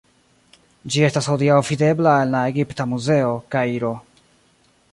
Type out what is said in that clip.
Ĝi estas hodiaŭ videbla en la Egipta Muzeo, Kairo.